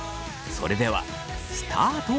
それではスタート。